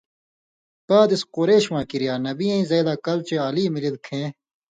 پادېس قرېشواں کِریا نبیؐ ایں زئ لا کلہۡ چےۡ علیؓ مِلِل کھیں